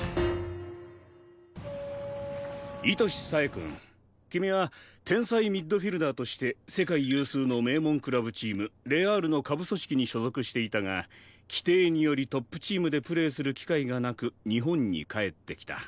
糸師冴くん君は天才ミッドフィールダーとして世界有数の名門クラブチームレ・アールの下部組織に所属していたが規定によりトップチームでプレーする機会がなく日本に帰ってきた。